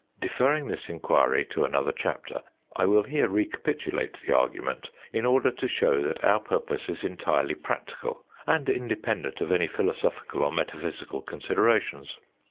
Deferring this enquiry to another chapter, I will here recapitulate the argument in order to show that our purpose is entirely practical and independent of any philosophical or metaphysical considerations.